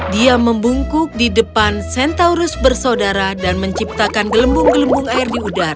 dia membungkuk di depan centaurus bersaudara dan menciptakan gelembung gelembung air di udara